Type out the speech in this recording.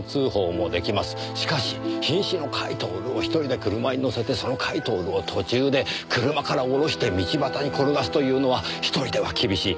しかし瀕死の甲斐享を１人で車に乗せてその甲斐享を途中で車から降ろして道端に転がすというのは１人では厳しい。